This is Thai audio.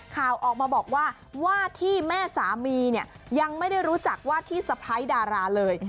ข่าวออกมาบอกว่าว่าที่แม่สามีเนี่ยยังไม่ได้รู้จักว่าที่สะพ้ายดาราเลย